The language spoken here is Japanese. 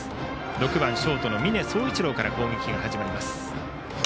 ６番ショートの峯蒼一郎から攻撃が始まります。